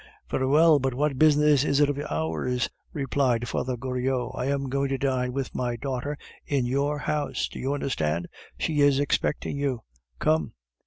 "Very well, but what business is it of ours?" replied Father Goriot. "I am going to dine with my daughter in your house, do you understand? She is expecting you. Come!"